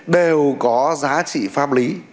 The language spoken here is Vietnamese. đều có giá trị pháp lý